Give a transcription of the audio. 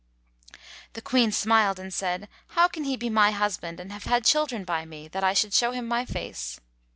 The Queen smiled and said, "How can he be my husband and have had children by me, that I should show him my face?"